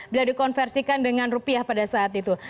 bila dikonversikan dengan rupiah pada saat itu